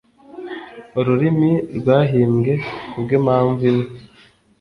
ururimi rwahimbwe kubwimpamvu imwe